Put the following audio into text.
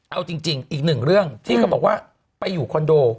เอาจริงอีกหนึ่งเรื่องที่เขาบอกว่าไปอยู่คอนโด